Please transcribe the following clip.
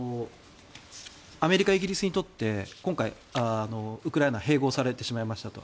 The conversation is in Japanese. アメリカイギリスにとって今回、ウクライナが併合されてしまいましたと。